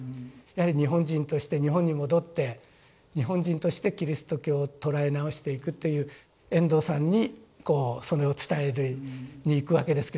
やはり日本人として日本に戻って日本人としてキリスト教を捉え直していく」っていう遠藤さんにこうそれを伝えに行くわけですけど。